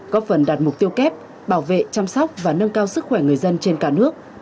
góp phần đạt mục tiêu kép bảo vệ chăm sóc và nâng cao sức khỏe người dân trên cả nước